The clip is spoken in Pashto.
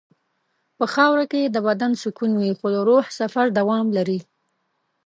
په خاوره کې د بدن سکون وي خو د روح سفر دوام لري.